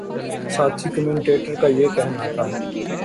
ساتھی کمنٹیٹر کا یہ کہنا تھا